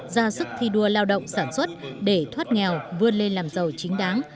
ra sức thi đua lao động sản xuất để thoát nghèo vươn lên làm giàu chính đáng